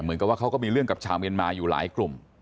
เหมือนกับว่าเขาก็มีเรื่องกับชาวเมียนมาอยู่หลายกลุ่ม